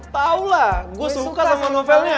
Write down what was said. tau lah gue suka sama novelnya